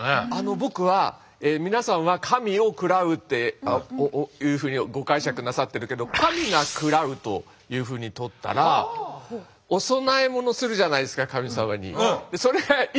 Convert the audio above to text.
僕は皆さんは「神を喰らう」っていうふうにご解釈なさってるけど「神が喰らう」というふうにとったら何かなくなっちゃう。